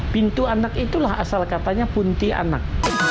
pintu anak itulah asal katanya kuntilanak